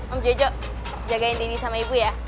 om jojo jagain dini sama ibu ya